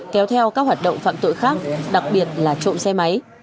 kéo theo các hoạt động phạm tội khác đặc biệt là trộm xe máy